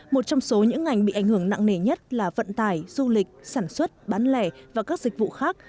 một trong số những ngành bị ảnh hưởng nặng nề nhất là vận tải du lịch sản xuất bán lẻ và các dịch vụ khác